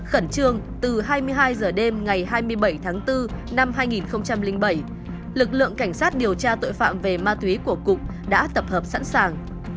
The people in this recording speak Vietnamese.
khẩn trương từ hai mươi hai h đêm ngày hai mươi bảy tháng bốn năm hai nghìn bảy lực lượng cảnh sát điều tra tội phạm về ma túy của cục đã tập hợp sẵn sàng